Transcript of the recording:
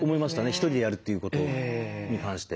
ひとりでやるっていうことに関して。